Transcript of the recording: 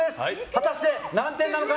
果たして、何点なのか。